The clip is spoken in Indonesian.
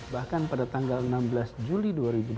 bahkan pada tanggal enam belas juli dua ribu dua puluh